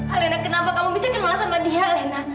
alena kenapa kamu bisa kenalan sama dia alena